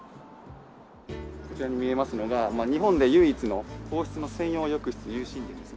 こちらに見えますのが日本で唯一の皇室の専用浴室又新殿です。